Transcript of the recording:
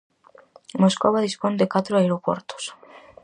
Moscova dispón de catro aeroportos.